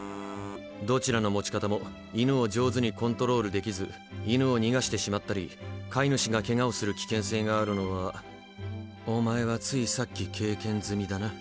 どちらの持ち方も犬を上手にコントロールできず犬を逃がしてしまったり飼い主がケガをする危険性があるのはお前はついさっき経験済みだな。